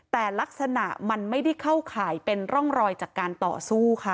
แต่ลักษณะมันไม่ได้เข้าข่ายเป็นร่องรอยจากการต่อสู้ค่ะ